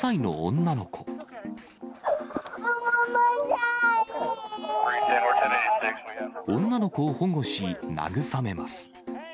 女の子を保護し、慰めます。